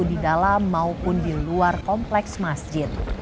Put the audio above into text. di dalam maupun di luar kompleks masjid